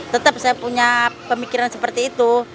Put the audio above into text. tetap saya punya pemikiran seperti itu